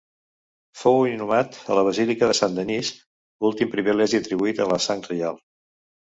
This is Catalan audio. Fou inhumat a la Basílica de Saint-Denis, últim privilegi atribuït a la sang reial.